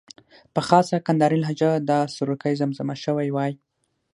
په خاصه کندارۍ لهجه دا سروکی زمزمه شوی وای.